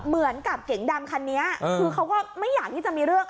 เหมือนกับเก๋งดำคันนี้คือเขาก็ไม่อยากที่จะมีเรื่อง